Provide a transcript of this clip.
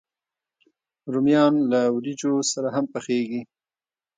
رومیان له وریجو سره هم پخېږي